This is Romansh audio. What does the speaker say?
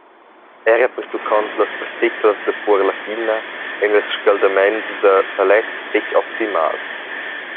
Era pertuccont las particlas da puorla fina ein ils scaldaments da pellets fetg optimals.